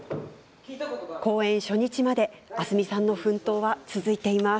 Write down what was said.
公演初日まで明日海さんの奮闘は続いています。